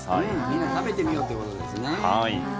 みんな食べてみようということですね。